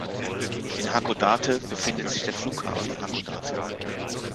In Hakodate befindet sich der Flughafen Hakodate.